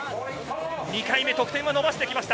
２回目得点を伸ばしてきました。